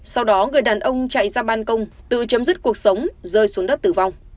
sau đó người đàn ông chạy ra ban công tự chấm dứt cuộc sống rơi xuống đất tử vong